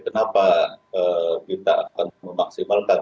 kenapa kita akan memaksimalkan